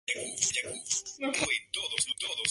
Se basó en el best seller "Are You There, Vodka?